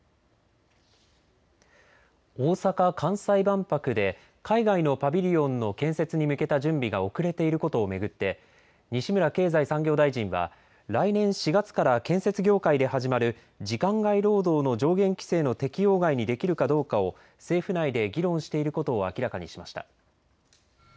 大阪・関西万博で海外のパビリオンの建設に向けた準備が遅れていることを巡って西村経済産業大臣は来年４月から建設業界で始まる時間外労働の上限規制の適用外にできるかどうかを政府内で議論していることを明らかにしました。